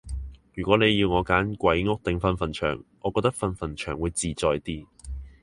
如果你要我揀鬼屋定係瞓墳場，我覺得瞓墳場會自在啲